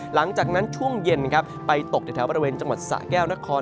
หลังจากนั้นช่วงเย็นครับไปตกแถวบริเวณจังหวัดสะแก้วนคร